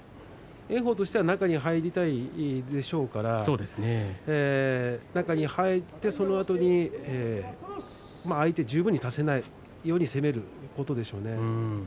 炎鵬としては中に入りたいでしょうから中に入ってそのあとに相手十分にさせないように攻めることでしょうね。